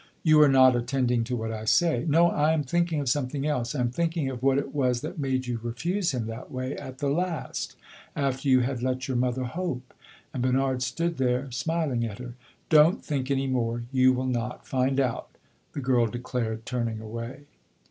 "You are not attending to what I say." "No, I am thinking of something else I am thinking of what it was that made you refuse him that way, at the last, after you had let your mother hope." And Bernard stood there, smiling at her. "Don't think any more; you will not find out," the girl declared, turning away.